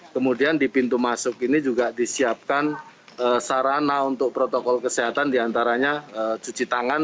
kemudian di pintu masuk ini juga disiapkan sarana untuk protokol kesehatan diantaranya cuci tangan